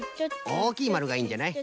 おおきいまるがいいんじゃない？